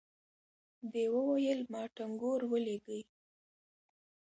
دې وويل ما ټنګور ولېږئ.